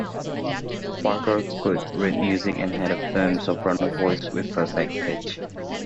Parker could read music and had a firm soprano voice with perfect pitch.